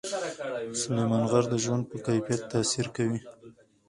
سلیمان غر د ژوند په کیفیت تاثیر کوي.